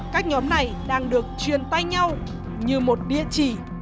các nhóm này đang được truyền tay nhau như một địa chỉ